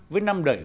với năm đẩy